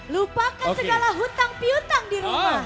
lupakan segala hutang piutang di rumah